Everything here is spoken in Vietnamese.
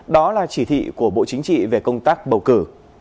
đó là chỉ thị của bộ chính trị về công tác bầu cử